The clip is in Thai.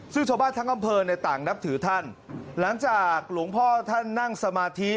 ซึ่งชาวบ้านทั้งอำเภอในต่างนับถือท่านหลังจากหลวงพ่อท่านนั่งสมาธิ